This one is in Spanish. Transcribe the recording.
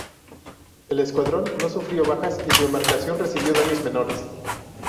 El escuadrón no sufrió bajas y su embarcación recibió daños menores.